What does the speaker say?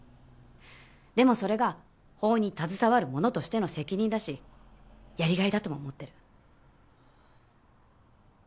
でもそれが法に携わる者としての責任だしやりがいだとも思ってる。